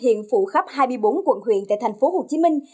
hiện phụ khắp hai mươi bốn quận huyện tại thành phố hồ chí minh